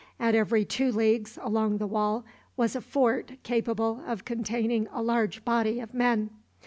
At every two leagues along the wall was a fort capable of containing a large body of men.